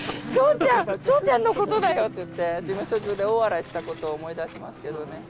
ちゃん、笑ちゃんのことだよって言って、事務所中で大笑いしたことを思い出しますけどね。